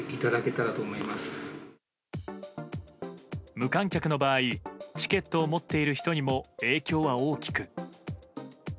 無観客の場合チケットを持っている人にも影響は大きく。